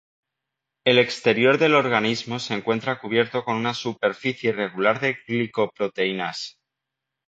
El exterior del organismo se encuentra cubierto con una superficie irregular de glicoproteínas.